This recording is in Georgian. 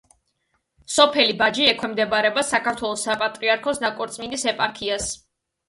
სოფელი ბაჯი ექვემდებარება საქართველოს საპატრიარქოს ნიკორწმინდის ეპარქიას.